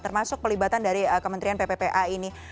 termasuk pelibatan dari kementerian pppa ini